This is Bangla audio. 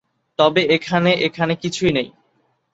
তবে এখানে এখানে কিছুই নেই।